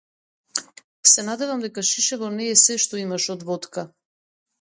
Се надевам дека шишево не е сѐ што имаш од водка.